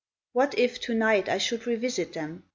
What if, to night, I should revisit them?